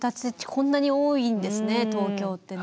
こんなに多いんですね東京ってね。